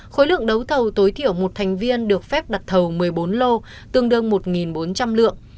khối lượng đấu thầu tối thiểu một thành viên được phép đặt thầu một mươi bốn lô tương đương một bốn trăm linh lượng